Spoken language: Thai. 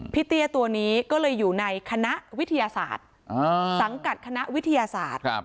เตี้ยตัวนี้ก็เลยอยู่ในคณะวิทยาศาสตร์สังกัดคณะวิทยาศาสตร์